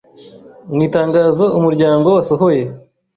Mw'itangazo umuryango wasohoye,